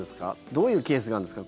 どういうケースがあるんですか？